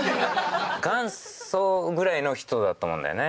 元祖ぐらいの人だと思うんだよね。